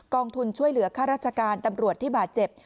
ทุนช่วยเหลือค่าราชการตำรวจที่บาดเจ็บ